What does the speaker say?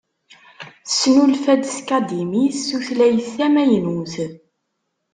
Tesnulfa-d tkadimit tutlayt tamaynut.